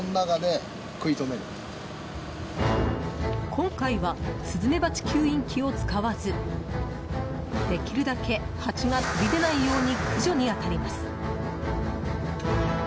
今回はスズメバチ吸引器を使わずできるだけハチが飛び出ないように駆除に当たります。